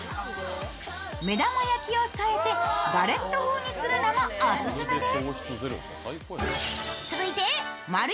目玉焼きを添えてガレット風にするのもオススメです。